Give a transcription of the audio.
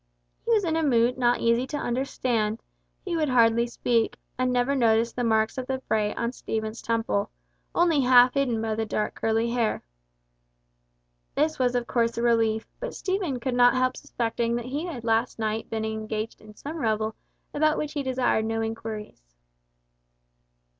He was in a mood not easy to understand, he would hardly speak, and never noticed the marks of the fray on Stephen's temple—only half hidden by the dark curly hair. This was of course a relief, but Stephen could not help suspecting that he had been last night engaged in some revel about which he desired no inquiries.